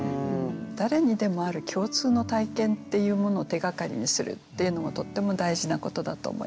誰にでもある共通の体験っていうものを手がかりにするっていうのもとっても大事なことだと思います。